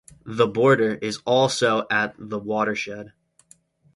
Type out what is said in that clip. The border is also at the watershed.